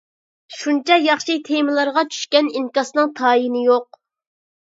شۇنچە ياخشى تېمىلارغا چۈشكەن ئىنكاسنىڭ تايىنى يوق.